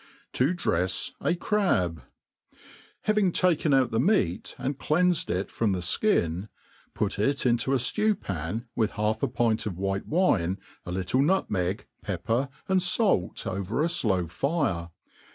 To drefs a Crab. HAVING taken out the meat, and cleanfed it from the (kiflt put it into a ftew pan, with half a pint of white wine, a little nutmeg, pepper, and fait over a flow fire.